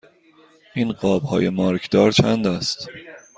این قاب های مارکدار چند است؟